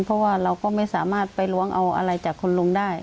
เพราะว่าเราก็ไม่สามารถไปล้วงเอาอะไรจากคุณลุงได้